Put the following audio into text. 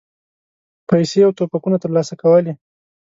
پیسې او توپکونه ترلاسه کولې.